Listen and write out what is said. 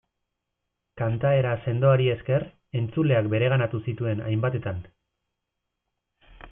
Kantaera sendoari esker, entzuleak bereganatu zituen hainbatetan.